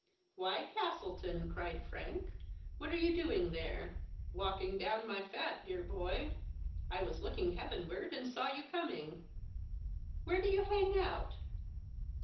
"Why, Castleton!" cried Frank, "what are you doing there ?"" Walking down my fat, dear boy. I was look ing heavenward, and saw you coming. Where do you hang out